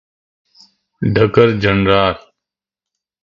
ډګر جنرال